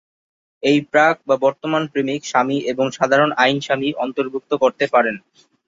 এই প্রাক বা বর্তমান প্রেমিক, স্বামী এবং সাধারণ আইন স্বামী অন্তর্ভুক্ত করতে পারেন।